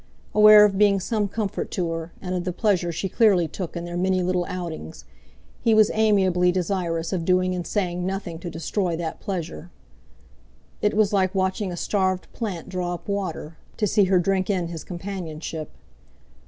Aware of being some comfort to her, and of the pleasure she clearly took in their many little outings, he was amiably desirous of doing and saying nothing to destroy that pleasure. It was like watching a starved plant draw up water, to see her drink in his companionship.